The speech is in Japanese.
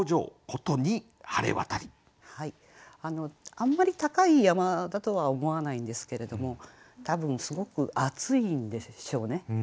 あんまり高い山だとは思わないんですけれども多分すごく暑いんでしょうね。